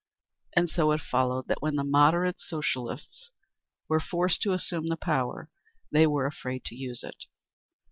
And so it followed that when the "moderate" Socialists were forced to assume the power, they were afraid to use it.